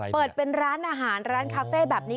เปิดเป็นร้านอาหารร้านคาเฟ่แบบนี้